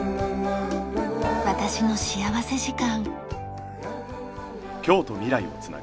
『私の幸福時間』。